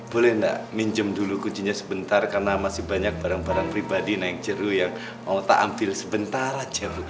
boleh nggak minjem dulu kucinya sebentar karena masih banyak barang barang pribadi naik jeruk yang mau tak ambil sebentar jeruk